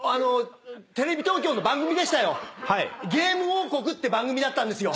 『ゲーム王国』って番組だったんですよ。